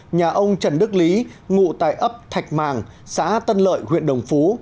nhà ông trần đức lý ngụ tại ấp thạch màng xã tân lợi huyện đồng phú